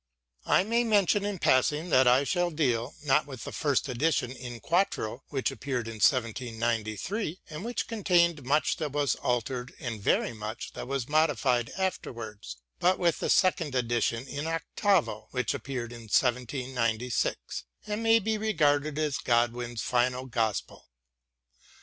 I may mention in passing that I shall deal, not with the first edition, in quarto, which appeared in 1793, and which contained much that was altered and very much that was modified afterwards, but with the second edition, in octavo, which appeared in 1796, and may be regarded as Godwin's final gospel.